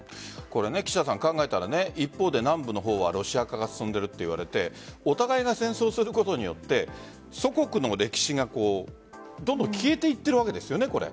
岸田さん、考えたら一方で南部の方はロシア化が進んでいるといわれてお互いが戦争することによって祖国の歴史がどんどん消えていってるわけですよね。